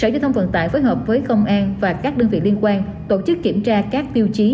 tp hcm phối hợp với công an và các đơn vị liên quan tổ chức kiểm tra các tiêu chí